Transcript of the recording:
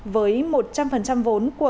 với một trăm linh vốn của